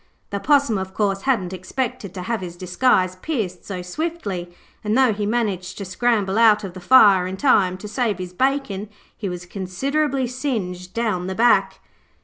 The Possum, of course, hadn't expected to have his disguise pierced so swiftly, and, though he managed to scramble out of the fire in time to save his bacon, he was considerably singed down the back.